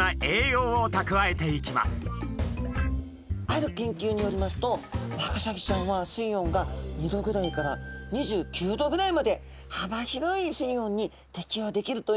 ある研究によりますとワカサギちゃんは水温が２℃ぐらいから２９℃ぐらいまで幅広い水温に適応できるということが分かってるそうなんです。